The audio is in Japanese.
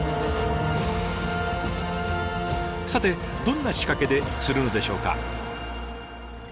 さてどんな仕掛けで釣るのでしょうか。